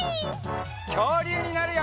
きょうりゅうになるよ！